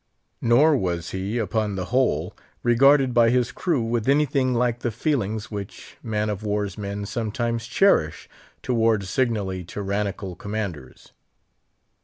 Nor was he, upon the whole, regarded by his crew with anything like the feelings which man of war's men sometimes cherish toward signally tyrannical commanders.